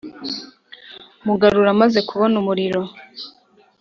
mugarura amaze kubona umuriro,